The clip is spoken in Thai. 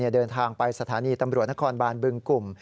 เดินทางไปสถานีตำรวจนครบานบึงกลุ่ม